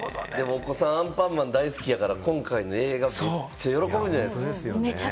お子さん『アンパンマン』大好きやから、今回の映画めっちゃ喜ぶんじゃないですか？